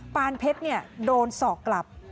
ปานเพชรโดนสอกกลับ